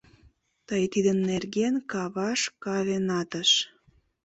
— Тый тидын нерген кавашкавенатыш...